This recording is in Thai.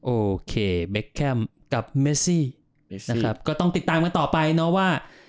โอเคเบคแคมกับเมซี่นะครับก็ต้องติดตามกันต่อไปเนาะว่า